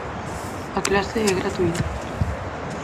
A clase é gratuíta.